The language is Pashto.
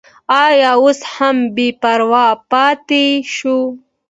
که اوس هم بې پروا پاتې شو.